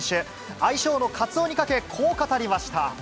愛称のカツオにかけ、こう語りました。